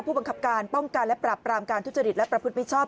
ผู้บังคับการป้องกันและปรับปรามการทุจริตและประพฤติมิชชอบ